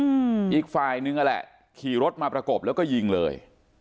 อืมอีกฝ่ายนึงนั่นแหละขี่รถมาประกบแล้วก็ยิงเลย